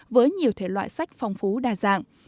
với nhiều thể loại sách phong phú đa dạng